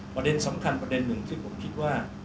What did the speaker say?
ประเด็นสำคัญประเด็นหนึ่งที่ผมคิดว่า